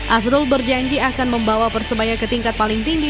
azrul berjanji akan membawa persebaya ke tingkat paling tinggi